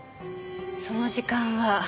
その時間は。